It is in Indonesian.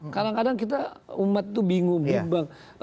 kadang kadang kita umat itu bingung